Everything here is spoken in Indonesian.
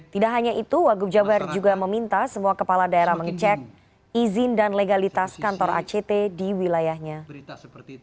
tidak hanya itu wagub jabar juga meminta semua kepala daerah mengecek izin dan legalitas kantor act di wilayahnya